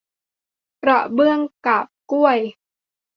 กระเบื้องกาบกล้วย